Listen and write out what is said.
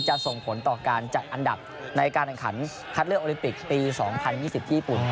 ส่งผลต่อการจัดอันดับในการแข่งขันคัดเลือกโอลิมปิกปี๒๐๒๐ที่ญี่ปุ่น